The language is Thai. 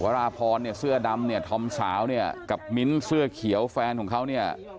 เวลาพอเสื้อดำธอมสาวนี้กับมิ้นเสื้อเขียวแฟนของเขาเนี่ย